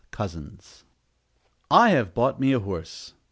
COZZENS I have bought me a horse.